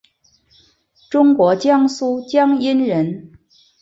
中国江苏江阴人。